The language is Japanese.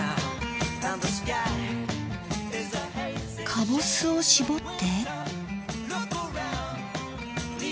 かぼすを搾って。